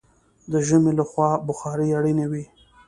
د ژمي له خوا بخارۍ اړینه وي.